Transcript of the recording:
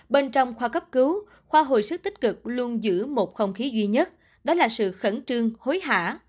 bên trong khoa cấp cứu khoa hồi sức tích cực luôn giữ một không khí duy nhất đó là sự khẩn trương hối hả